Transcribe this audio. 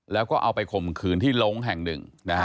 แล้วก็เอาไปข่มขืนที่ลงแห่งหนึ่งนะฮะ